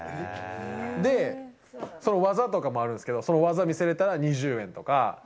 で、その技とかもあるんですけど、その技見せれたら２０円とか。